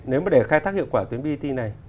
nếu mà để khai thác hiệu quả tuyến bt này